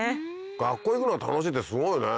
学校行くのが楽しいってすごいね。